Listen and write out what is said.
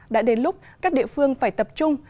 đã đến lúc các địa phương phải tập trung